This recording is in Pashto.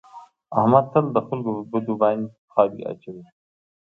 احمد تل د خلکو په بدو خاورې اچوي.